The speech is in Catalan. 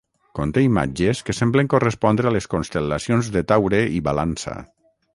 Conté imatges que semblen correspondre a les constel·lacions de Taure i Balança.